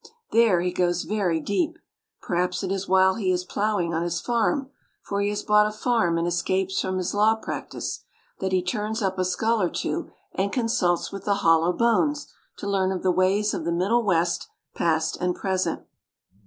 There, he goes very deep. Perhaps it is while he is plow ing on his farm — for he has bought a farm and escapes from his law prac tice— ^that he turns up a skull or two and consults with the hollow bones to learn of the ways of the middle west past and present.